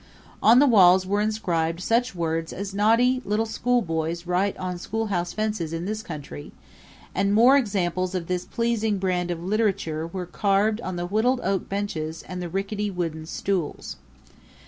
On the walls were inscribed such words as naughty little boys write on schoolhouse fences in this country, and more examples of this pleasing brand of literature were carved on the whittled oak benches and the rickety wooden stools.